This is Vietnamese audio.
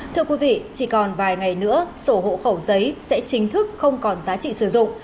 thưa quý vị chỉ còn vài ngày nữa sổ hộ khẩu giấy sẽ chính thức không còn giá trị sử dụng